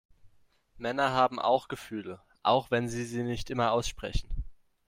Männer haben auch Gefühle, auch wenn sie sie nicht immer aussprechen.